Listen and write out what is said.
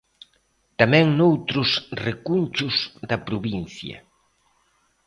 Tamén noutros recunchos da provincia.